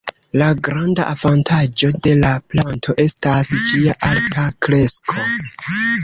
La granda avantaĝo de la planto estas ĝia alta kresko.